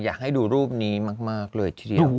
อยากให้ดูรูปนี้มากเลยทีเดียว